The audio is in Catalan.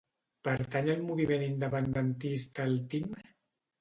Pertany al moviment independentista el Tim?